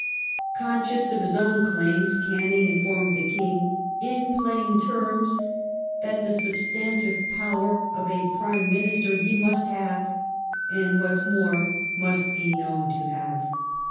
Conscious of his own claims Canning informed the King " in plain terms that the substantive power of a Prime Minister he must have, and what's more, must be known to have